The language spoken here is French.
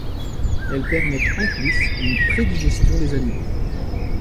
Elles permettent en plus une prédigestion des aliments.